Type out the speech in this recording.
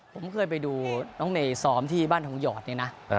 ผมเคยไปดูน้องเนยซ้อมที่บ้านทองหยอดเนี่ยนะ